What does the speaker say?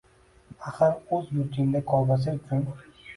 Axir, o‘z yurtingda kolbasa uchun